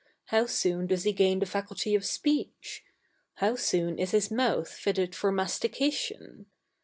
How soon does he gain the faculty of speech? How soon is his mouth fitted for mastication?